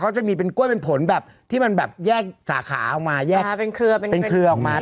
จะมีเป็นกล้วยเป็นผลแบบที่มันแบบแยกสาขาออกมาแยกมาเป็นเครือเป็นเครือออกมา